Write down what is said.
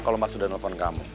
kalau mas sudah telepon kamu